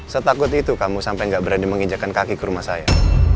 setakut itu kamu sampai gak berani menginjakan kaki ke rumah saya